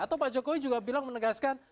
atau pak jokowi juga bilang menegaskan